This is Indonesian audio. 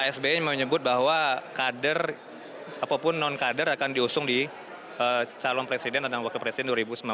pak sby menyebut bahwa kader apapun non kader akan diusung di calon presiden dan wakil presiden dua ribu sembilan belas